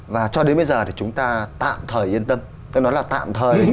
và cho đến bây giờ thì chúng ta tạm thời yên tâm